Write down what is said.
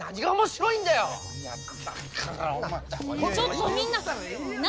ちょっとみんな！